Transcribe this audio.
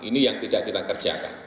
ini yang tidak kita kerjakan